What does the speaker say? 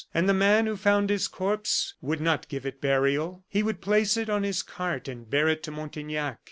And the man who found his corpse would not give it burial. He would place it on his cart and bear it to Montaignac.